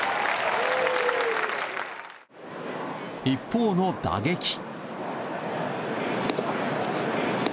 一方の打撃。